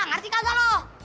ngerti kan zalo